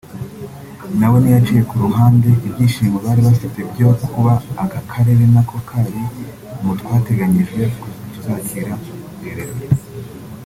nawe ntiyaciye ku ruhande ibyishimo bari bafite byo kuba aka karere nako kari mu twateganyijwe tuzakira ibi birori